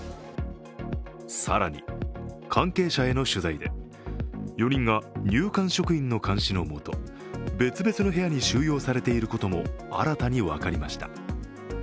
更に、関係者への取材で４人が入管職員の監視のもと、別々の部屋に収容されていることも新たに分かりました。